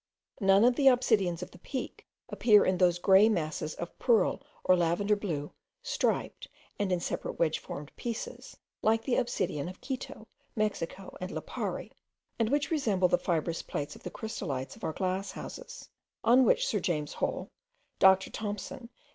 None of the obsidians of the Peak appear in those grey masses of pearl or lavender blue, striped, and in separate wedge formed pieces, like the obsidian of Quito, Mexico, and Lipari, and which resemble the fibrous plates of the crystalites of our glass houses, on which Sir James Hall, Dr. Thompson, and M.